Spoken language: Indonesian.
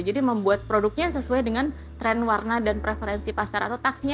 jadi membuat produknya sesuai dengan tren warna dan preferensi pasar atau tax nya